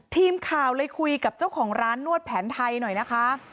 ทีมข่าวเลยคุยกับเจ้าของร้านนวดแผนไทยหน่อยนะคะ